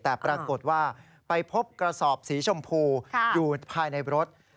แต่ปรากฏว่าไปพบกระสอบสีชมพูอยู่ภายในรถ